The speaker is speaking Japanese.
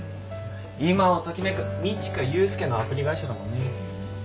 今をときめく路加雄介のアプリ会社だもんね。